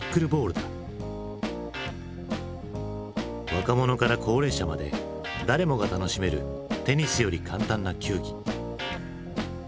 若者から高齢者まで誰もが楽しめるテニスより簡単な球技。